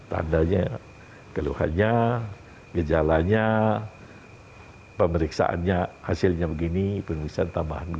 tandanya keluhannya gejalanya pemeriksaannya hasilnya begini penulisan tambahan